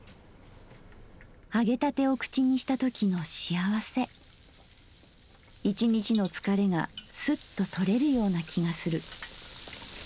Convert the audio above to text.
揚げたてを口にしたときのしあわせ一日の疲れがスッと取れるような気がする」。